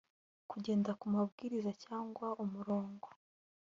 kugendera ku mabwiriza cyangwa umurongo